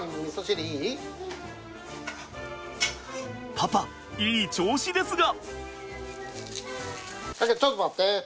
パパいい調子ですが。